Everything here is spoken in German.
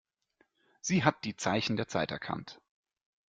Sie hat die Zeichen der Zeit erkannt.